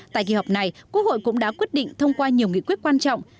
tại kỳ họp này quốc hội cũng đã quyết định thông qua nhiều nghị quyết quan trọng